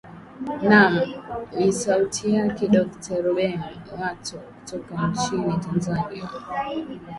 naam ni sauti yake dokta ruben omato kutoka nchini tanzania